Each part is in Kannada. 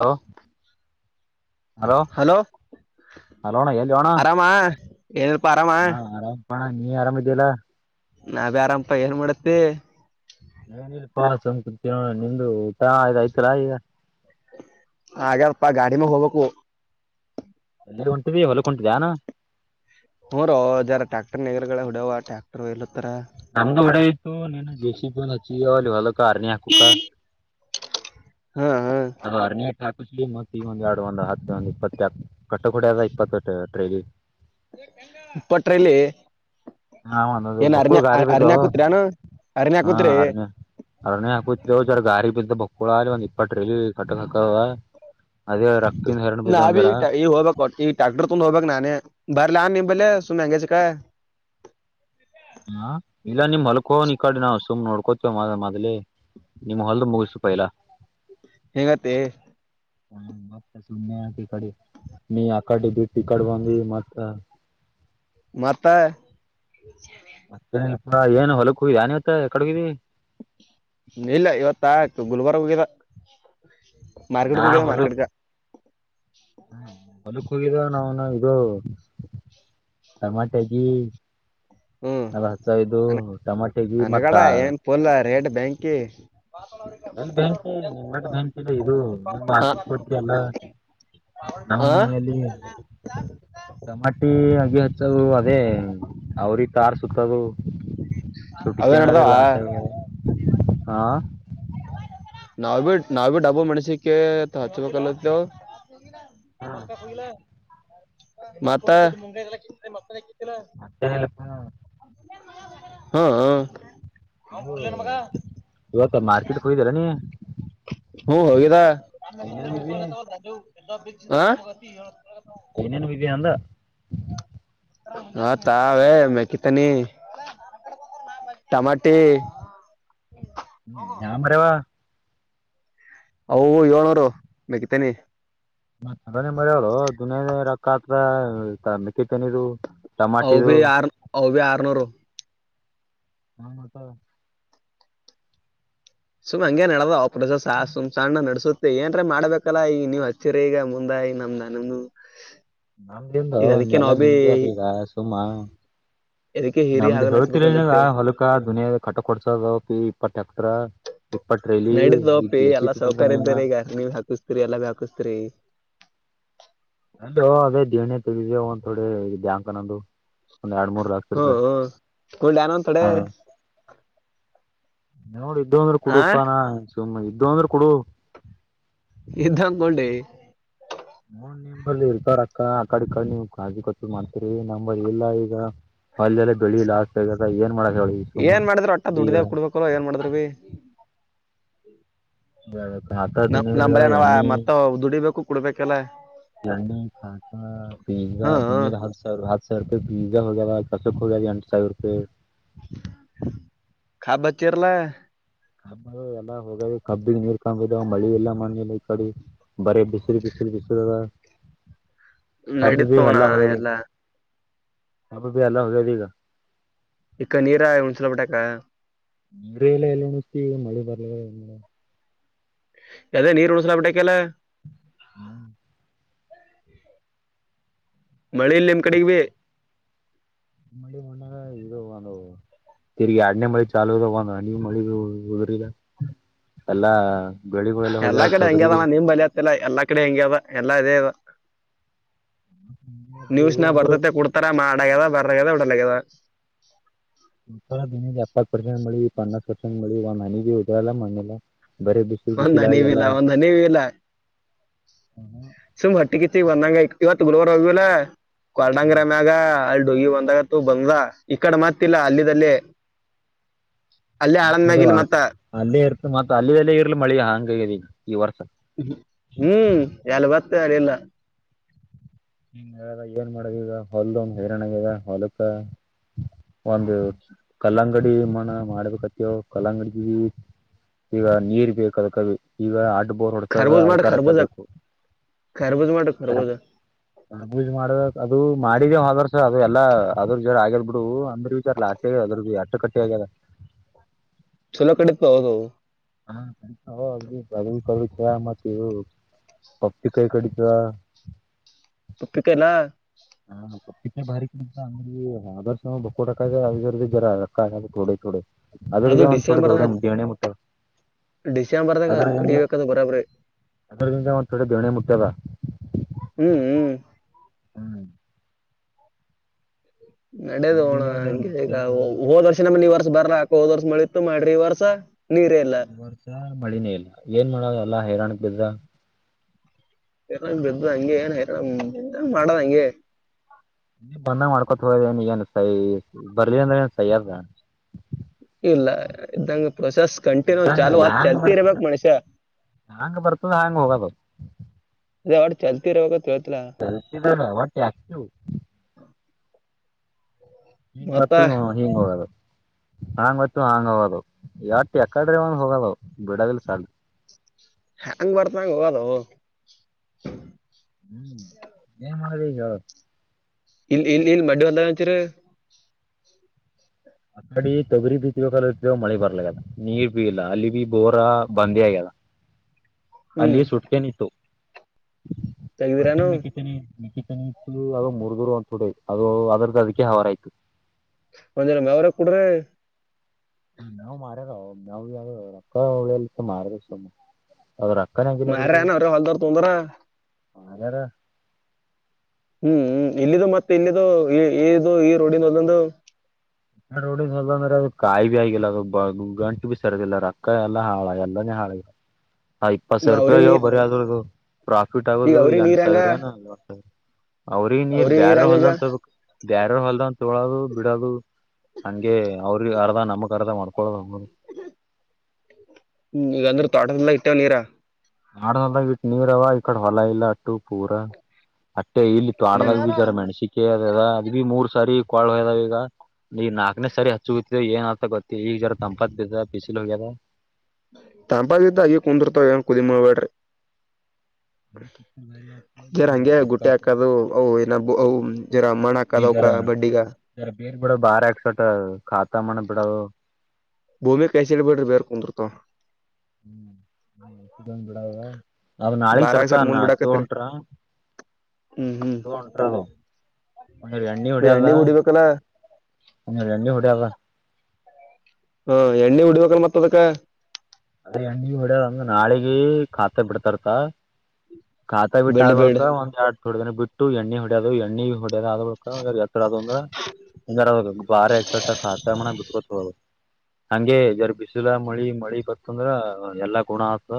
ಹಲೋ ಹಲೋ ಹಲೋಣ ಎಲ್ಲಿ ಹೋಣ ಆರಾಮಾ ಏನಪ ಅರಾಮ ಬಣ ನೀ ಆರಾಮಿದ್ದೀಲ್ಲಾ ನಾವ್ಯರಾಮಪ ಏನ್ ಮಾಡತ್ತಿ ಏನ ಇಲ್ ಪ ಸಕೋ [unintelligible] ನಿ್ದ ಊಟಾ ಆ ಆಯ್ತರ ಈಗ ಹಾಗಪ್ಪ ಗಾಡಿನ ಹೋಗ್ಬೇಕು ಎಲ್ಲರ ಹೊಂಟಿವಿ ಹೊಲಕ್ ಹೊಂಟಿದೆನ [unintelligible] ನೋ ಜರ ಟ್ಯಾಕ್ಟರ್ ನಗರಗಳ ಹೊಡವ ಟ್ಯಾಕ್ಟರ್ ಇ ನಮ್ದ ಒ [unintelligible] ಜಸಿ ಹಚ್ಚಿ ಹೊಲಕ್ಕ ಆರ್ನಿ ಹಾಕುಕ್ಕ ಹಾ ಹಾ [unintelligible] ಅನ ಹಾಕ್ಲಿ ಮತ್ತೆ ಈ ಒಂದ ಎರಡು ಒಂದು ಹ ಒಂದ ಇಪ್ಪತ್ತಕ ಕಟ್ಟ ಕೊಡೆ ಆದ ಇಪ್ಪತ್ತಟ್ಟ ಿ [inaudible] ಇಪ್ಪಟ್ರಲ್ಲಿ [unintelligible] ಹಂದೋದು ಏನ್ ಭಕ್ಕೂಳ ಅರ್ನ್ಯ ಗಾರಿ ಅರ್ನ್ಯ ಬದಾವ ಹಾಕುತ್ರ್ಯಾನು [unintelligible] ಅರ್ನ್ಯ ಹಾ ಹಾಕುತ್ರಿ ಅರಣ್ಯ ಅರ್ರಣ್ಯ ಹಾಕ ಗಾರಿ ಬಿ ಬ ಕುಳಾಲಿ ಒಂದ್ ಇಪ್ಪತ್ತು ರಲ್ಲಿ [unintelligible] ಕಟ್ಟ್ ಹಕ್ಕವ ನಾ ಬಿ ಈಗ ಈ ಹೋಗಬಬೇಕಕ್ ಈಗ ಟ್ಯಾಕ್ಟರ್ ತುಂದು್ [unintelligible] ಹೋಗ್ಬೇಕಕ್ ನಾನೇ [unintelligible] [unintelligible] ಬಾರಿಲ್ಲ ಆ ನಿಬಲ್ಲ ಸು ಮ್ಯಾಂಗಾಯಚ ಕಾಯ ಹ ಇಲ್ಲ ನಿಮ್ ಮಲ್ಕೋನ್ ಈ ಕಾಡಿ ನಾವು ಸುಮ್ ನೋಡ್ಕೊ [unintelligible] ಕೊೋತ್ದ ಮಾದ್ಲಿ ನಿಮ್ ಹೊಲ್ದ ಮುಗಸಪ ಇಲ್ಲ ಹೆಗತಿ ಹಾ ಮತ್ ಸುಮ್ನೆ ಆಕಿ ಕಡಿ ನೀ ಆಕಡೆ ಬಿಟಿ ಇಕಡ್ ಬಂದಿ ಮತ್ತ ಮತ್ತ ಮತ್ತೆ ಅಪ್ಪ ಏನ್ ಹೊಲಕ್ಕ ಹೂ [unintelligible] ನಾನಿವತ್ತ ಕಡಗಿದಿ ನಿಲ್ಲ ಇವತ್ತ ಆಯ್ತು ಗುಲ್ಬರ್ಗ [unintelligible] ನಾ ಮಾರ್ಕೆಟ್ಗೆ ಹೋಗಿದ ಬರು ಮಾರ್ಕೆಟ್ಗ ಕುಳ್ಳುಗನಾನು ಇದು ಟಮಾಟಗಿ. ಹ್ಮ್ ಅವ ಹಚ್ಚಾಯಿದು ಅನ ಟಮಾಟಗಿ ಮಕ್ಕ ಅನಗಡ ಏನ್ ಫುಲ್ ರೇಟ್ ಬ್ಯಾಂಕಿ ಎಲ್ ಬ್ಯಾಂಕ್ ವಟ್ ಬ್ಯಾಂಕ್ ಇದು ಇದು ನೀವ್ ಆ ಮಾರ್ಕೆಟ್ ಹೋಗ್ತಿರಲ್ಲ. ನಾವು ಆ ಎಲ್ಲಿ ಟಮಾಟು ಅದು ಹಚ್ಚದು ಅದೇ ಅವ್ರಿಗೆ ಕಾರ್ ಸುತ್ತದು. ಸು ಅವೇ ಬಿಕೇನರಿ ನಡ್ದಾವ ಲಾಸು ಆಗ್ಯಾದ ಹಾ, ನಾವ್ ಬಿ ನಾವ ಭ ಡಬ್ಬ ಮೆಣ್ಸಿಕ ಹಚ್ಬೇಕಲ್ಲತವು ಹಾ ಮತ್ತ ಮತ್ತೆ ಹೇ ಹೂ ಹ್ಮ ಹೂ ಹೋ ಇವತ್ತು ಮಾರ್ಕೆಟ್ ಹೋಗ್ಬರನಿ. ಹು ಒಳ್ಳೆದ ಏನೇನ್ ವಿಬಿ ಹಾ ತಲ್ಲಿ ಮೀನು ಹೀಗೆ ಅಲ್ಲ. ನಾ ತಾರೆ ಮೆಕಿತನಿ. ಟಮಾಟೆ ಡಮರು ಅವು ಏಳುನೂರು ಮುಗಿತನಿ. ಮತ್ತು ಅದನ್ನು ಬೆಳೆಯೊದು ದಿನ ನೀರಕ್ ಹಾಕ್ದೆ ಮೆಕ್ಕಿ ತನಿದು. ಹೌದೇ ಹಾರ್ನ್ ಹೌದೇ ಆರ್ನೂರು. ಹ ಮತ್ತ. ಸುಮ್ ಹಂಗೆ ನಡೆದ ಆ ಪ್ರ್ಸ ಸಾಸು ಸುಮ್ ಸಣ್ಣ ನಡೆಸು ಏನ್ರ ಮಾಡ್ಬೇಕಲ್ಲ ಈ ನೀವ್ ಹಚ್ಚರಿ ಈಗ ಮುಂದಾಗಿ ನಮ್ದ್ ನಮು. ನಮ್ದಿಂಗೋ ನೆಲ ನಿಮ್ದೇ ಅದು ಈಗ ಸುಮ. ಅದಕ್ಕೆ ಹಿರಿ ನಮ್ದು ಆಗಲ್ ಹೇಳ್ತಿರಲಲ್ಲ ಹಚ್ಬೇಕಲ್ಲತ್ತೇವ್ ಹೊಲಕ ದುನಿಯ ಕಟ್ಟು ಕೊಡ್ಸದಪಿ ಇಪ್ಪತ್ತು ಎಕರೆ. ನಡೀತೋಪಿ ಎಲ್ಲಾ ಸೌಕಾರ ನಿನ್ನ ಇದ್ರವ್ರೆ ಈಗ ನೀವ್ ಹಾಕಿಸ್ತೀರಿ ಎಲ್ಲಾ ಹಾಕಿಸ್ತೀರಿ. [inaudible] ಅಂದೋ ಅದೇ ದೇಣ ತೆೆಗೆದ ಒಂದು ಕಡೆ ಬ್ಯಾಂಕನಂದು. ಒಂದ್ ಎರಡು ಮೂರು ಲಕ್ಷ ಹ್ಮ್ ರೂಪಾಯಿ ಹ್ಮ್ ಕುಂಡಿ ಅನೊಂದ್ ತಡೆ ಹಾ. ನೋಡು ಇದ್ದ ಅಂದ್ರ ಆ ಕುಡುಪಾನ ಸುಮ್ಮ್ ಇದ್ದ ಅಂದ್ರೆ ಕೊಡು. ಇದ್ದ ಬಂಡಿ. ಮೂರ್ ನಿಪಲ್ಲಿ ಇರ್ತಾರಕ್ಕ ಆ ಕಡೆ ಕಡೆ ನೀವ್ ಕಜಿ ಕೊಚ್ಚ್ ಮಾಡ್ತೀರಿ ನ ಇಲ್ಲ ಈಗ ಅಲ್ಲಲ್ಲಿ ಬೆಳಿಲಾಗ್ತ ಇವಾಗ ಏನ್ ಮಾಡದು. ಹೇಳಿ ಸುಮ ಏನ್ ಮಾಡಿದ್ರ ಒಟ್ಟ ಈಗ ದುಡ್ದೇ ಕುಡ್ಬೇಕಲ್ಲ ಏನ್ ಮಾಡಿದ್ರ ಬಿ [unintelligible] ಗನಿ ಕಾಕ ನಮ್ ನಂಬಲೆ ನಾವ ಮತ್ತ ದುಡಿಬೇಕು ಕುಡ್ಬೇಕಲ್ಲ ನಿಂಗ ಹ್ಮ್ ಹ್ಮ್ ಹತ್ಸರ್ ಹತ್ಸರ್. ಬೀಜಾ ಹೋಗ್ಯಾವ ಕಸುಕ್ ಹೋಗ್ಯಾವ ಎಂಟು ಸಾವಿರ ರೂಪಾಯಿ. ಕಾಬಚೇರಲ್ಲ ಕಬ್ಬು ಎಲ್ಲಾ ಹೋಗ್ಯಾವ ಕಬ್ಬಿ ನೀರ್ ಕಾಣಬುದ ಮಳಿ ಇಲ್ಲ ಮಣ್ಣೀಲಿ ಈ ಕಡಿ. ಬರಿ ಬಿಸಿಲು ಬಿಸಿಲು ಬಿಸಿಲವ. ಹಬ್ಬ ನಡೀತ್ ಬಿ ನೋಣ ವೆಲ್ಲ ಹೋಯ್ ಎಲ್ಲಾ ಹಬ್ಬದು ಎಲ್ಲ ಓದಿದೆ. ಇಕ್ಕ ನೀರ ಉಣಚ ಬಿಟ್ಟಾಕ. ಬ್ರೆಲೆಲಿ ಉಣಿಸ್ತಿವಿ ಮಳೆ ಬರಲ್ಲೆ ಇಲ್ಲ. ಎದೇ ನೀರು ಉಣಿಸ್ ಬಿಟಕ್ಕೆಲ್ಲ. ಹ್ಮ್ [inaudible] ಬೆಳೆ ಇಲೆಲ್ ಕಡಿಮೆ. ಮಂಡಿ ಮಣ್ಣಾಗ ಇದು ಬಂದು. ತಿರ್ಗಿ ಎರಡನೇ ಮಳಿ ಚಾಲೂ ಅದ ಒಂದ್ ಹನೀ ಮಳಿ ಉದ್ರಿದ ಎಲ್ಲಾ ಬೆಳಿಗಳೆಲ್ಲ ಎಲ್ಲಾ ಹೋಗ್ಯಾವ ಕಡೆ ಹಂಗ್ಯ ತೊಗರಿ ಅದಾನ ನಿಮ್ ಬಲ ಅತ್ತಲ್ಲ ಎಲ್ಲಾ ಕಡೆ ಹೆಂಗ್ಯ ಅದ ಎಲ್ಲಾ ಇದೇ ಇದ ಅದು ನೀವಸನ್ಯಾಗ ಅಂದ್ರ ಬರ್ತತೆ ಕುಡ್ತಾರ ಮಾಡಗ್ಯದ ಬರಾಗ್ಯದ ಬೀಡಲಾಗ್ಯದ. ಇಪ್ಪತ್ತು ಪರ್ಸೆಂಟ್ ಮಳಿ ಬಂಧ ಪರ್ಸೆಂಟ್ ಒಂದ್ ಹನಿನ ಉದ್ರಲ್ಲ ಅಲ್ಲ ಮಣ ಇಲ್ಲಾ ಒಂದ್ ಹನಿವಿಲ್ಲ [unintelligible] ಒಂದ್ ಹನಿವಿಲ್ಲ ಸುಮ್ ಹೋಟ್ಟಿಗಿಚ್ಚಿ ಬಂದಂಗ ಇವತ್ತು ಗುರವರ್ ಹೋಗವಲ್ಲ ಕೊಲ್ಡಂಗರ ಮ್ಯಾಗ ಗಿ ಬಂದಾಗತ್ತು ಬಂದ ಈ ಕಡೆ ಮತಿಲ್ಲ ಅಲ್ಲಿದ್ದ ಲ್ಲಿಯೇ ಮತ್ತ ಅದು ಅಲ್ಲೇ ಇರ್ತ ಮತ್ತ ಅಲ್ಲಿ ಅಲ್ಲೇ ಇರ್ಲಿ ಮಳಿ ಹಂಗ ಈ ವರ್ಷ. ಹ್ಮ್ ಎಲ್ಲ ಬತ್ ಎಲ್ಲಿ ಇಲಾ ನಿನ್ ಏನ್ ಮಾಡದು ಈಗ ಹೊಲ್ ಒಂದು ಹೈರಾಣಾಗದ ಹೊಲಕ್ಕ ಒಂದು ಕಲ್ಲಂಗಡಿ ಮಣ ಮಾಡ್ಬೇಕತಿವ ಕಲ್ಲಂಗಡಿ ಈಗ ನೀರ್ ಬೇಕದಕ ಈಗ ಆ ಬೋರ್ ಹೊಡ್ತದ ಖರ್ಬೂಜ್ ಮಾಡು ಅದಕ್ ರೋಕ್ ಖರ್ಬೂಜ ಬೇಕು ಖರ್ಬೂಜ್ ಮಾಡು ಖರ್ಬೂಜ ಅಜ್ ಮಾಡದ ಅದು ಮಾಡಿದ ಹೊದವರ್ಷ ಅದ ಎಲ್ಲ ಅದ್ರ ಜರ ಆಗ್ಯದ ಬಿಡು ಅಂದ್ರ ವಿಚಾರಲ್ಲ ಅಷ್ಟ ಆಗ ಅದ್ರ ಎಷ್ಟು ಅಟಕಟ್ಟಿ ಆಗ್ಯೆದ ಛಲೋ ಕಡೆ ಹೋದು ಹಾ ಕ ಹೋಗಿ ಬಕ ಮತವು ಪಫಿ ಕಾಯ ಕಡಿತದ ತ ಪಪಿಕೆನಾ ಹಾ ಹ ಇ ಬಾರಿಂತ ಅಂದ್ರರ್ ಬೋಕ್ಕ ರೋಕ್ಕ ಥೋಡೆ ಥೋಡೆ ಅದ್ರ ಅದು ಒಂದು ಥೋಡೆ ಡಿಸೆಂಬರ್ ಥೋಡ್ಡೆ ದೇಣ್ಣೆ ಮುಟ್ಟೆದ ಡಿಸೆಂಬರ್ದಾಗ ಕಡಿಬೇಕದು ಬರೋಬರಿ ಅದ್ರದಿಂದ ಒಂದ್ ಥೋಡೆ ದೇಣೆ ಮುಟ್ಟದ ಹ್ಮ್ ಹ್ಮ್ ಹ್ಮ್ ನಡೆದೋಣ ಅದ್ರದಿಂದ ಒಂದ್ ಹಂಗೆ ಈಗ ಎರಡ್ ಮುಟ್ಟದ. ಹೊದ ವರ್ಷ ನಮ್ಮನ್ ನೀ ವರ್ಷ ಬರ್ಲಾ ಕ್ಕ ಹೋದ ವರ್ಷ ಮಳಿಇತ್ತು ಮಾಡ್ರಿ ಈ ವರ್ಷ ನೀರೇ ಇಲ್ಲ ವರ್ಷ ಮಳಿನೇ ಇಲ್ಲ ಏನ್ ಮಾಡದಲ್ಲ ಹೈರಾಣ ಬಿದ್ದದ ಹಂಗ ಬದ ಹಂಗೆ ಏನ್ ಹೈರಾಣ ಮಾಡದ ಹಂಗೆ ಬಂದಾಗ ಮಾಡ್ಕೊತ ಹೋಗದನ್ ಈಗೇಏನ್ ಸೈ ಬರ್ಲಿಲ್ಲ ಅಂದ್ರ ಏನ್ ಸೈಯದ್ ಅದ ಇಲ್ಲ ಇದಂಗ ಪ್ರೊಸೆಸ್ ಕಂಟಿನ್ಯೂ ಚಾಲ ಆತ್ ಚಲ್ತಿ ಇರ್ಬೇಕ್ ಮನುಷ್ಯಾ ಹಾಂಗ ಬರ್ತದ ಹಾಂಗ ಹೋಗೋದು ಅ ವಟ್ ಚಾಲ್ತಿ ಇರ್ಬೇಕತ್ [unintelligible] ಆಕ್ಟಿವ್ ಹ ಮತ್ತ ಮ ಹಿಂಗ ಹೋಗದು ಹಾಂಗ್ ಹೊಯ್ತು ಹಾಂಗ ಹೋಗೋದ್ ವಟ ಯಕಡ್ರೆ ಒಂದ ಹೋಗದವ್ ಬಿಡಲ್ ಸಾ ಹ ಹಂಗ ಬರ್ತಂಗ ಹೋಗದು ಹ್ಮ್ ಮಾಡದಿಗ ಹೇಳ ಇ ಇನ್ ಇನ್ ಮಡ್ಡಿ ಹೊಲದಾಗ ಏನು ಹಚ್ಚಿರಿ ಅ ಕಡಿ ತೊಗರಿ ಬಿತಿಗಕಲ್ಲವ ಮಳೆ ಬರ್ಲಕ್ಕದ ನೀರ್ ಬಿ ಇಲ್ಲ ಅಲ್ಲಿ ಬಿ ಬೋರ ಬಂದಿ ಆಗ್ಯದ ಹ್ಮ್ ಅಲ್ಲಿಯ ಸುಟ್ಕೇನ ಇತ್ತು ತೆಗ್ದಿರೇನು ಮೆಕ್ಕಿತೆನಿ ಅದು ಮುರ್ಗರು ಒಂತ ಕಡೆ ಅದು ಅದರದ್ದ ಅದಕ್ಕೆ ಹೋರ ಆಯ್ತು ಒಂದ ಜರಾ ಮೆವ್ ಕೊಡ್ರಿ ಹಾ ಮೇವು ಮಾರದ ಮೆವು ರೊಕ್ಕ ಉಳಿಯೋದು ಮಾರದು ಸುಮ್ ಅವರ ರೋಕ್ಕನಂಗಿಲ್ ಅದರದು ಮಾರ್ಯಾನ ಅವ್ರೆ ಹೊಲ್ದವ್ರ ತೊಂದ್ರ [unintelligible] ಹ್ಮ್ ಹ್ಮ್ ಇಲ್ಲಿದು ಮತ್ತೆ ಇಲ್ಲಿದು ಈ ಇದು ಈ ರೋಡಿನ ಒಲ್ಲೊಂದು ನಾ ರೋಡಿವಲ್ ಅಂದ್ರೆ ಅದು ಕಾಯಿ ಭೀ ಆಗಿಲ್ಲ ಅದು ಗಂಟು ಬೀ ಸರದಿಲ್ಲ ರೊಕ್ಕ ಎಲ್ಲಾ ಹಾಳ ಎಲ್ಲಾ [unintelligible] ಹಾ ಇಪ್ಪತ್ ಮ ಸಾವಿರ ರೂಪಾಯಿ ಅವ್ರಿ ಆಗವು ನೀರ್ ಬರೀ ಆದದ್ ಪ್ರಾಫಿಟ್ ಈಗ ಆಗೋದವು ಅವ್ರಿ ಎಂಟ ನೀರ್ ಹಂಗ ಸಾವಿರ ಎನ್ ಅವ್ರಿಗೆ ನೀರ್ ಅವ್ರಿ ಬ್ಯಾರವ ಹಂಗ ಈಗ ಹೊಲ್ದನ್ ಹೋದಕ ಬ್ಯಾರ ಹೊಲ್ದನ್ ತೊಳೋದು ಬಿಡೋದು ಹಂಗೆ ಅರ್ಧ ನಮಕ್ ಅರ್ಧ ಮಾಡ್ಕೊೊಳ್ಳಲ್ಲ ನರು ಹೂ ಇಲ್ಲಾಂದ್ರೆ ತೋಟದ ಏಲ್ಲಾ ಇಟ್ಟೇವನ ನೀರಾ ಆಡದವ ಇಟ್ಟ ನೀರ ಅವ ಈಕಡೆ ಹೊಲ ಇಲ್ಲ ಅಟ್ಟು ಪೂರ ಅಟ್ಟೆ ಇಲ್ಲಿ ತೊಡ್ದಾಗ ಹ್ಮ್. ಬಿತಾರೆ ಮೆಣಸಿಕ ಅದ ಅದ ಅದು ಬಿ ಮೂರ್ ಸಾರಿ ಕಳ ಹೋದಾವ ಈಗ ಈಗ ನಾಲ್ಕನೇ ಸರಿ ಹಚ್ಚು ಏನ್ ಅತ ಗೊತ್ತ ಈಜರ ಸಂಪತ್ ಬ ಏಲೋಗರೇ ತಂಪಾಗಿದ್ದಾಗಿ ಕುಂದೃತ ಕುದಿ ಮಾಡಬೇಡ್ರಿ ಜರ ಹಂಗೆ ಗುಟ್ಟಿ ರೊಕ್ಕ ಹಾಕದು ಅ ಏನಬ ಅ ಜರ ಮಣ್ಣು ನೀ ಹಕ್ಕದವಕ ಜರ ಬಡ್ಡಿಗ ಜರ ಬೇರ್ ಬಿಡೋ ಬಾರ ಹಾಕ್ಸೋಟೊ ಭೂಮಿ ಕಸಿಡಿಬಡ್ ಬಾರ ಕುಂದ್ರತವ ಬಿಡ ನ ನಾಳಗ್ ದಾರಾಗ ತರ್ಕ ಸರ್ ಮುಂದ್ ನಷ್ಟ ಬಿಡಾಕತ್ರಿ ಹೊಂಟ್ರ ಹ್ಮ್ ಹ್ಮ್ ಉಂಟ ಒ ಎಣ್ಣಿ ಹೊಡಾದ ಎಣ್ಣೆ ಹೊಡಿಬೇಕಲ್ಲ ಒಂದಿನ ಎಣ್ಣಿ ಹೊಡವಾ ಹಾ ಎಣ್ಣೆ ಉಡ್ಬೇಕ್ ಮತ್ತ ಅದಕ್ಕೇ ಅದೇ ಎಣ್ಣಿ ಹೊಡ ಒಂಗ ನಾಳಿ ಗ ಖಾತೆ ಬಿಡ್ತಾರತ ಕಾತಾ ಬಿಟ್ಟ ಬಿಲ್ಡ್ ಬಿಲ್ಡ್ ಆದಳಕ ಒಂದ ಎರಡ್ ೊೋಡ್ ದನ ಬಿಟ್ಟು ಎಣ್ಣೆ ಹೊಡ್ಯೋದು ಎಣ್ಣಿ ಹೊ ಬೇರೆ ಆದಳ ಎರ ಅದು ಅಂದ್ರೆ ಒಂದ ಬಾರ ಎಕ್ ಸವಟ ಾತಾ ಬಿಟ್ಕತದು ಹಂಗೆ ಜರ್ ಬಿಸಿಲ ಮಳಿ ಮಳಿ ಬತ್ತಂದ್ರ ಎಲ್ಲಾ ಗುಣ ಆತ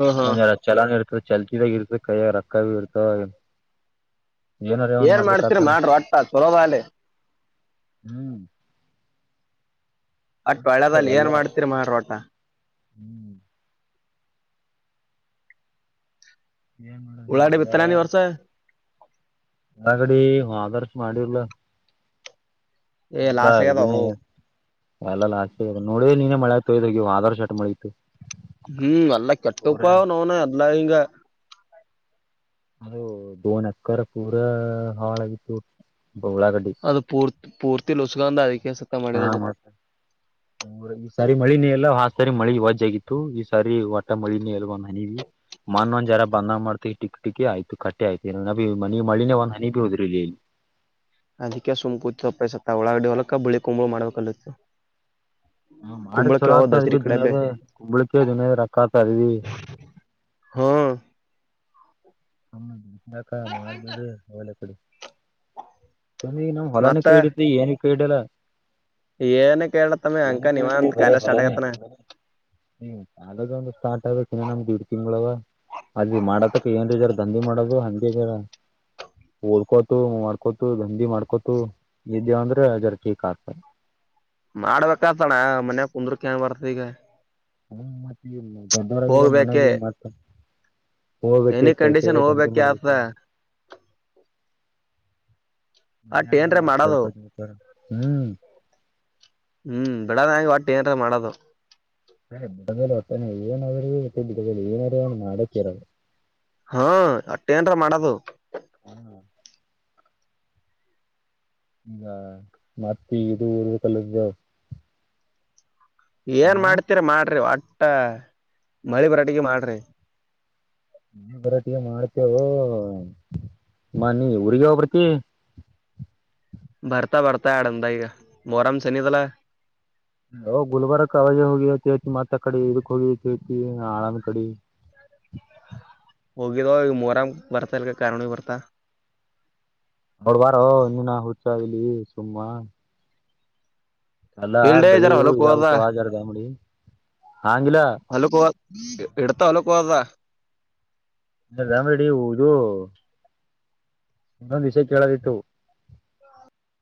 ಹಾ ಹಾ ಒಂದ್ ಎರ ಚಲ ಇರ್ತ ಚಲ್ತಿ ತ ಗಿರ್ತ ಕೈ ಯಾಗ ರಕ್ಕಾ ಇರ್ತವೇ ಏನ್ ಮಾಡ್ತರಿ ಮಾಡ್ರಿ ಒಟ್ಟ ಚಲೋ ಡಾಗ್ಲಿ ಹೂ ಅಟ್ ಒಳೆದಾಗಲಿ ಏನ್ ಮಾಡ್ತೀರಿ ಮಾರೋಟ ಹೂ ಏನ್ ಮಾಡಣ ಇ ಉಳ್ಳಾಗಡ್ಡಿ ಬಿತ್ತಲ ನೀ ರಜದಾಗ ವರ್ಷ ಹೊಗಡಿ ಆದರ್ಶ ಮಾಡಿರ್ಲ್ಲ ಏ ಎಲ್ಲ ಲಾಸ್ ಇದ ಆಗ್ಯದವು ಎಲ್ಲ ಲಾಸ್ ಇ ನೋಡಿ ನೀನೇ ಮಳೆಯತು ಇದ ಆ ಆದಾರ ಶಟ್ ಮಳಿತ ಹೂ ಅಲ್ಲ ಕೆಟ್ಟ ಉಪ್ಪ ನವ್ನ ಅದಲಾ ಹಿಂಗ ಅದು ದೋನ್ ಎಕ್ಕರ ಪೂರಾ ಹಾಳಾಗಿತ್ತು ಉಳ್ಳಾಗಡ್ಡಿ ಅದು ಪೂರ್ ಪೂರ್ತಿಲ್ಲಿೂಸುಖಾದ ಹಾ ಮತ್ತ ಸರಿ ಮಳಿನೇ ಎಲ್ಲ ಹಾ ಸರಿ ಮಳಿ ಇವಾಜ್ ಆಗಿತ್ತು ಈ ಸಾರಿ ಒಟ್ಟ ಮಳಿನೇ ಎಲ್ ಒಂದ್ ಮಳಿ ಮನ್ ಒಂದ್ ಜರ ಬಂದ ಮಾಡ್ತ ಟಕ್ ಟಿ ಆಯತು ಕಟ್ಟಿ ಆಯ್ತ ನ ಮಳಿನೇ ಒಂದು ಹನಿ ಹುದ್ರ ಇಲ್ಲಿ ಇಲ್ಲಿ ಹ ಅದಕ್ಕೆ ಸುಮ ಕೂತ್ ಸತ್ತ ಒಳಗಡಿ ಹೊಲಕ್ಕ ಬಳಿ ಕುಂಬು ಮಾಡ್ಬೇಕಲ್ಲಿತ್ತು ಹೂ ಮಾಡಿ ಕುಂಬಳಕ್ಕೆ ಚಲೋ ಯಾವ ಆತ ಅದ್ವಿ ದಸರಿ ಕಡೆ ಬೇ ದದುನಿಯದ ಕುಂಬಳಿಕೆ ದದುನಿಯದ ರೊಕ್ಕ ಆತ ಅದ್ವಿ ಹಾ ಹಮ್ಮ ಯಾಕ ಮಾಡ್ಬೇಡು ಹೋಗ್ಲಿ ಆಕಡಿ ನಮ್ ಹೊಲನ ಮತ್ತ ಕೈಡತಿ ಏನ ಕೈ ಹಿಡಿಯಲ್ಲ ಏನ ಕೇಳತ್ತಮ್ಮ ಅಂಕ ಎನಕ ನೀವ ಅಂತ ಬರ ಕಾಲ ಸ್ಟಾರ್ಟ್ ಮಲನ ಆಗತ್ತನ ಹೂ ಮಳಿ ಬಂದ್ರ ಸಾಕ ಆಗ್ಯತಿ ಿನ ನಮ್ದಗೆ ದ ಇಡ್ ತಿಂಗಂಗಳವ ಅದವಿ ಮಾಡದಕ್ ಏನ್ ಇದಾರ ದಂಧೆ ಮಾಡೋದು ಹಂಗಿಗಾರ ಓಡ್ಕೋತು ಮಾಡ್ಕೊತು ಗಂಧಿ ಮಾಡ್ಕೊತು ಇದೇವ ಅಂದ್ರೆ ಅ ಜರ ಟೀಕ್ ಆಗ್ತದೆ ಮಾಡ್ಬೇಕತಣ ಮನ್ಯ ಕುಂದ್ರಕ ಏನ್ ಬರ್ತ ಈಗ ಹೂ ಮತ್ತೆ ದೊಡ್ಡವರಗಿದೆ ಹೋಗ್ಬೇಕೆ ಮನೆಗೆ ಮತ್ತ ಹೋಗ್ಬೇಕು ಎನಿ ಕೈ ಕಂಡೀಷನ್ ಕಾಯ ಧಗೆ ಹೋಗ್ಬೇಕೆ ಆತದ ಮಾಡ್ಬೇಕು ಮನ್ ಅಟ್ ಆಗಲ್ಲ ಏನ್ರ ಮ ಮಾಡೋದು ಬರ್ಕೋದತಾರ ಹ್ಮ್ ಹ್ಮ್ ಬಿಡದ ಒಟ್ಟು ಏನಾರ ಮಾಡದು ಸರಿ ಬಿಡದಲೆ ಒಟ್ಟನೆ ಏನ ಅವ್ರಗ ಗಟ್ಟ ಬಡ ಏನ್ರ ಏನು ಮಾಡೋಕ್ಕೆ ಇರ ಹಾ ಅಟ್ಟೆಏನ್ರ ಮಾಡದು ಹಾ ಹಾ ಮತ್ತ ಇದು ಕಲ್ಲ್ದ ಏನ್ ಮಾಡ್ತೀರಿ ಮಾಡ್ರಿ ಒಟ್ಟ ಮಳಿ ಬರಟಿಗೆ ಮಾಡ್ರಿ ನರಟಿಗೆ ಮಾಡ್ತೇವು ಮ ನೀ ಊಗ ಹಬತಿ ಬರ್ತಾ ಬರ್ತಾ ಆಡಮ್ದ ಈಗ ಮೋರಾಮ್ ಶನಿದಲ ಗುಲ್ಬರ್ಗ ಕ ಅವಜ ಹೋಗಿ ಮತ್ತ ಕಡೆ ಇದಕ್ ಹೋಗಿತಿತಿ ಆಳಂದ ಕಡೆ ಹೋಗಿದವ ಈ ಮೋರಂಗ ಬರ್ತಾ ಇಲ್ಕ ಕಾರಣ ಬರ್ತಾ ಅವಳ ವಾರೋ ಇನ್ನಿನಾ ಹುಚ್ಚ ಇಲಿ ಸು ಅಲ್ಲಾ ಇಲ್ಡೇ ಜರ ಬೆಳದು ಹೊಲಕ್ ಹೋದ ಇದಾಗುತ್ತ ಆರದ ಅಂಗಡಿ ಆಂಗಲ ಎಡ್ತಾ ಒಲ ಕೊದಾ ಗಾಮೇಡಿ ಇ ಇದು ಇನ್ನೊಂದು ವಿಷಯ ಕೇಳೋದಿಟ್ಟು